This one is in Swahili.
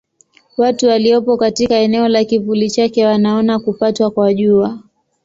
Watu waliopo katika eneo la kivuli chake wanaona kupatwa kwa Jua.